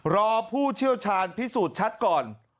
รอผู้เชี่ยวชาญพิสูจน์ชัดก่อน